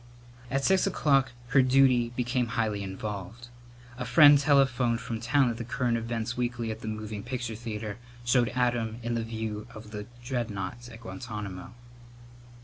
At six o'clock her duty became highly involved. A friend telephoned from town that the current events weekly at the moving picture theatre showed Adam in the view of the dreadnoughts at Guantánamo.